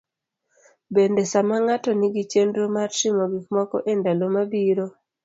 Bende, sama ng'ato nigi chenro mar timo gikmoko e ndalo mabiro.